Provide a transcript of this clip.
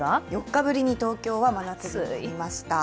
４日ぶりに東京は真夏日になりました。